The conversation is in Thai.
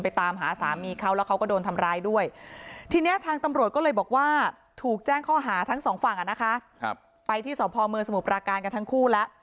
ไปที่สหพอล์เมอร์สมุปราการกันทั้งคู่แล้ว